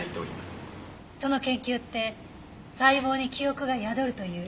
その研究って細胞に記憶が宿るという。